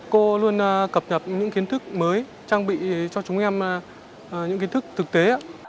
cô luôn cập nhật những kiến thức mới trang bị cho chúng em những kiến thức thực tế